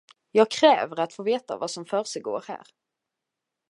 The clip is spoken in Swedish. Jag kräver att få veta vad som försiggår här!